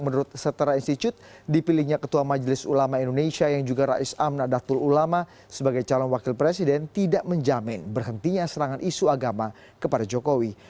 menurut setara institut dipilihnya ketua majelis ulama indonesia yang juga rais amnadatul ulama sebagai calon wakil presiden tidak menjamin berhentinya serangan isu agama kepada jokowi